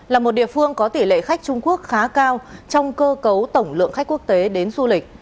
là một địa phương có tỷ lệ khách trung quốc khá cao trong cơ cấu tổng lượng khách quốc tế đến du lịch